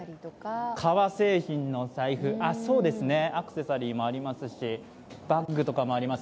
革製品の財布アクセサリーもありますしバッグとかもあります。